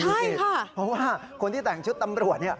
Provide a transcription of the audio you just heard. เพราะว่าคนที่แต่งชุดตำรวจ